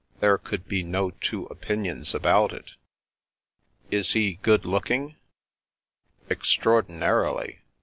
There could be no two opinions about it." " Is he good looking ?"" Extraordinarily.